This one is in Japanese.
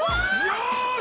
よし！